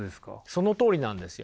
そのとおりなんですよ。